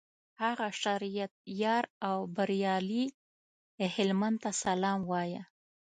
هغه شریعت یار او بریالي هلمند ته سلام وایه.